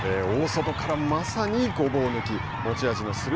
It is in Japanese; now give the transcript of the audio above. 大外からまさにごぼう抜き。